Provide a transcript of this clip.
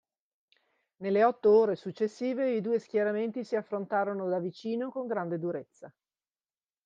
Nelle otto ore successive i due schieramenti si affrontarono da vicino con grande durezza.